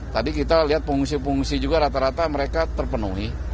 tadi kita lihat pengungsi pengungsi juga rata rata mereka terpenuhi